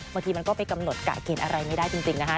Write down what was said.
เมื่อกี้มันก็ไปกำหนดกะเกลียดอะไรไม่ได้จริงนะคะ